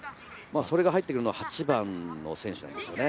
それが入ってくるのは８番の選手なんですよね。